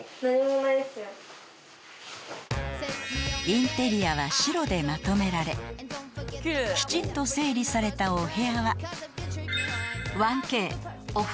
［インテリアは白でまとめられきちんと整理されたお部屋は］